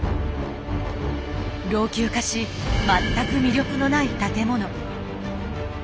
老朽化し全く魅力のない建物。